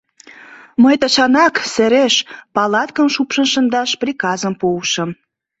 Мый тышанак, сереш, палаткым шупшын шындаш приказым пуышым.